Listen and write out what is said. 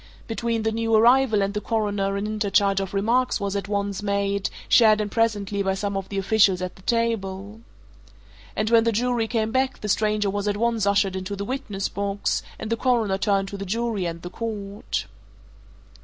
Between the new arrival and the Coroner an interchange of remarks was at once made, shared in presently by some of the officials at the table. And when the jury came back the stranger was at once ushered into the witness box, and the Coroner turned to the jury and the court.